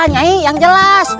ya yang jelas